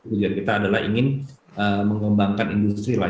tujuan kita adalah ingin mengembangkan industri lah